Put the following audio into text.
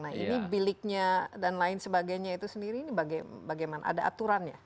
nah ini biliknya dan lain sebagainya itu sendiri ini bagaimana ada aturannya